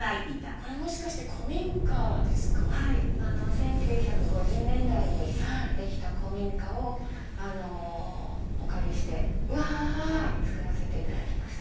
１９５０年代にできた古民家をお借りして造らせていただきました。